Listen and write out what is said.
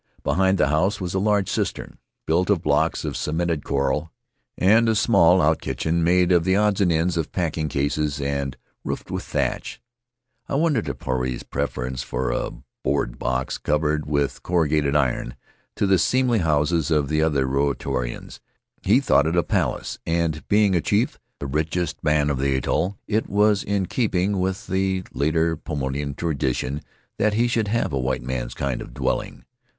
Behind the house was a large cistern, built of blocks of cemented coral, and a small outkitchen made of the odds and ends of packing cases and roofed with thatch. I wondered at Puarei's preference for a board box A Debtor of Moy Ling covered with corrugated iron, to the seemly houses of the other Rutiaroans. He thought it a palace, and, being a chief, the richest man of the atoll, it was in keeping with the later Paumotuan tradition that he should have a white man's kind of dwelling.